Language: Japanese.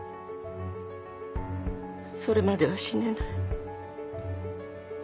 それまでは死ねない